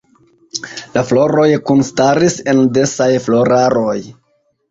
La floroj kunstaris en densaj floraroj.